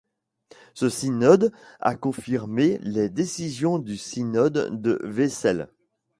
Ce Synode a confirmé les décisions du synode de Wesel.